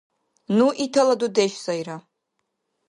Ну итала дудеш сайра.